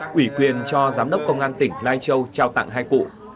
quỷ quyền cho giám đốc công an tỉnh lai châu trao tặng hai cụ